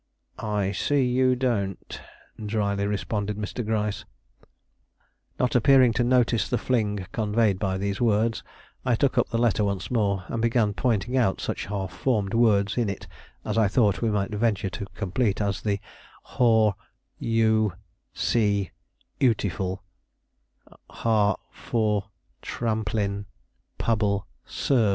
"I see you don't," dryly responded Mr. Gryce. Not appearing to notice the fling conveyed by these words, I took up the letter once more, and began pointing out such half formed words in it as I thought we might venture to complete, as the Hor , yo , see utiful , har , for , tramplin , pable , serv